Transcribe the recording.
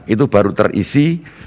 itu baru terisi